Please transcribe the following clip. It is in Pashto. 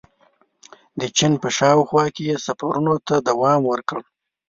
• د چین په شاوخوا کې یې سفرونو ته دوام ورکړ.